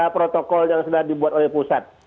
protokol yang sudah dibuat oleh pusat